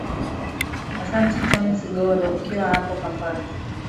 asante tony sigoro ukiwa hapo kampala